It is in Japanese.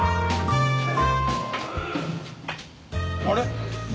あれっ？